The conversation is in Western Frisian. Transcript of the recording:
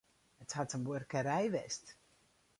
It hat in buorkerij west.